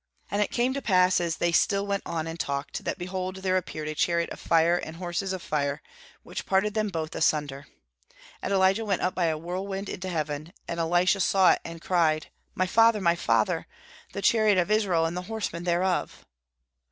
"And it came to pass, as they still went on and talked, that behold there appeared a chariot of fire and horses of fire, which parted them both asunder. And Elijah went up by a whirlwind into heaven. And Elisha saw it, and he cried, 'My father, my father! the chariot of Israel, and the horsemen thereof